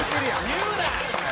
言うな！